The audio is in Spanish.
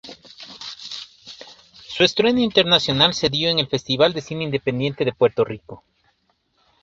Su estreno internacional se dio en el Festival de Cine Independiente de Puerto Rico.